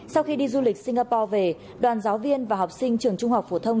sau khi đi du lịch singapore về đoàn giáo viên và học sinh trường trung học phổ thông